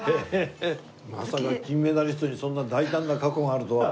まさか金メダリストにそんな大胆な過去があるとは。